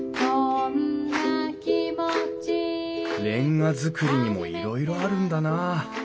煉瓦造りにもいろいろあるんだな。